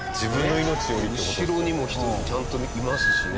後ろにも人ちゃんといますしね。